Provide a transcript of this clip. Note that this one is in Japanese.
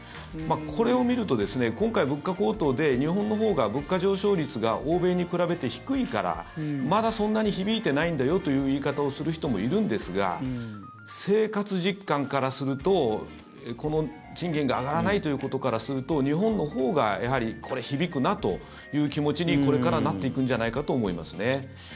これを見ると今回、物価高騰で日本のほうが物価上昇率が欧米に比べて低いからまだそんなに響いてないんだよという言い方をする人もいるんですが生活実感からするとこの賃金が上がらないということからすると日本のほうがやはりこれ、響くなという気持ちにこれからなっていくんじゃないかと思いますね。